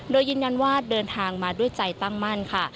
โดยยืนยันว่าเดินทางมาด้วยใจตั้งมั่นค่ะ